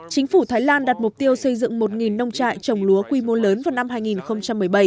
chính phủ thái lan đặt mục tiêu xây dựng một nông trại trồng lúa quy mô lớn vào năm hai nghìn một mươi bảy